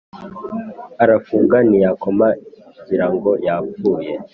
Arafunga ntiyakoma ngirango yapfuye